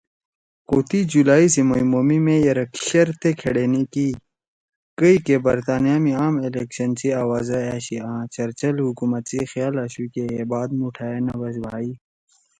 خو تی جولائی سی مَئیمو می مے یرَک شیرتے کھیڑینی کی کئی کے برطانیہ می عام الیکشن سی آوازا أشی آں چرچل حکومت سی خیال آشُو کہ ہے بات مُٹھائے نہ بش بھائی